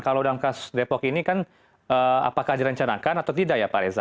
kalau dalam kasus depok ini kan apakah direncanakan atau tidak ya pak reza